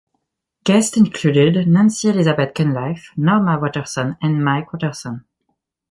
Guests included Nancy Elizabeth Cunliffe, Norma Waterson and Mike Waterson.